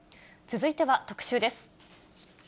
続いては、特集です。